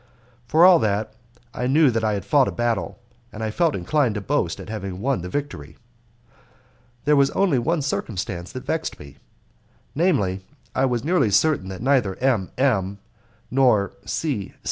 For all that, I knew that I had fought a battle, and I felt inclined to boast at having won the victory. There was only one circumstance that vexed me namely, that I was nearly certain that neither M. M. nor C.